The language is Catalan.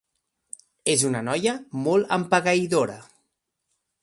És una noia molt empegueïdora.